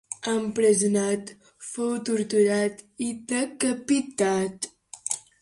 Empresonat, fou torturat i decapitat.